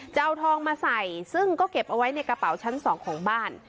จะเอาทองมาใส่ซึ่งก็เก็บเอาไว้ในกระเป๋าชั้น๒ของบ้าน